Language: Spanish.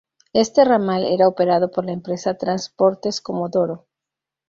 Éste ramal era operado por la empresa Transportes Comodoro.